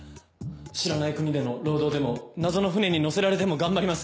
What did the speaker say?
知らない国での労働でも謎の船に乗せられても頑張ります。